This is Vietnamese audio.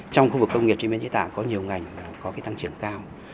trong khu vực công nghiệp chế biến chế tạo có nhiều ngành có tăng trưởng cao